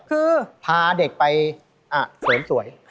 คือพาเด็กไปเสริมสวย